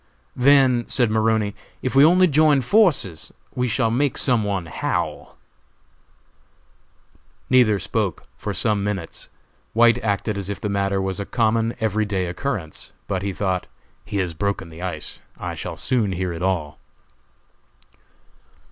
"Then," said Maroney, "if we only join our forces, we shall make some one howl." Neither spoke for some minutes. White acted as if the matter was a common, every day occurrence; but he thought: "He has broken the ice; I shall soon hear it all."